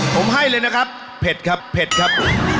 ผมให้เลยนะครับเผ็ดครับเผ็ดครับ